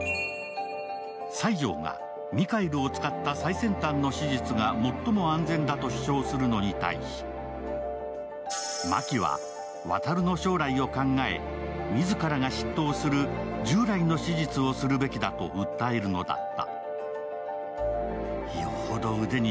西條がミカエルを使った最先端の手術が最も安全だと主張するのに対し、真木は、航の将来を考え、自らが執刀する従来の手術をするべきだと訴えるのだった。